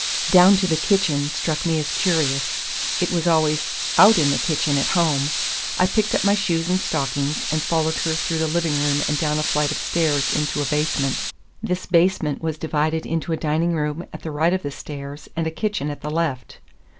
"Down to the kitchen" struck me as curious; it was always "out in the kitchen" at home. I picked up my shoes and stockings and followed her through the living room and down a flight of stairs into a basement. This basement was divided into a dining room at the right of the stairs and a kitchen at the left.